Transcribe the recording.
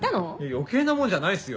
余計なもんじゃないっすよ